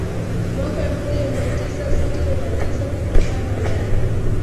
Mwaka elfumoja miatisa sitini na tisa Kutokana ndani